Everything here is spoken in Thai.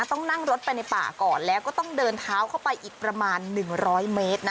ต้องนั่งรถไปในป่าก่อนแล้วก็ต้องเดินเท้าเข้าไปอีกประมาณ๑๐๐เมตรนะ